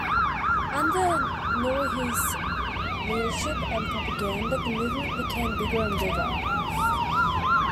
Under Nieuwenhuis' leadership and propaganda the movement became bigger and bigger.